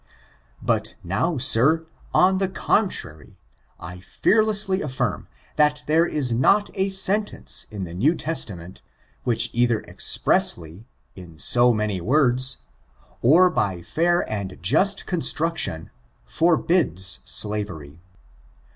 But now, sir, on the contrary, 1 fearlessly affirm, that there is not a sentence in the New Testament, which, either expressly, in so many words, or by fair and just construction, forbids slavery.